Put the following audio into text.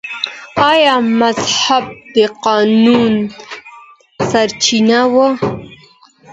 آیا مذهب د قانون سرچینه وه؟